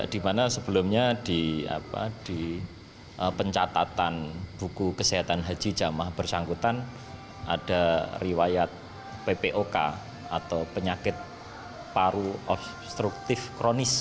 di mana sebelumnya di pencatatan buku kesehatan haji jamah bersangkutan ada riwayat ppok atau penyakit paru obstruktif kronis